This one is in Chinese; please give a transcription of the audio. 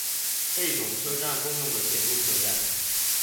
贝冢车站共用的铁路车站。